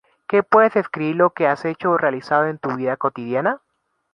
Que puedes escribir lo que has hecho o realizado en tu vida cotidiana.